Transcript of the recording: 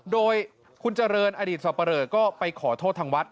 โดยคุณเจริญอดีตสับปะเหลอก็ไปขอโทษทางวัด